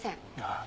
ああ。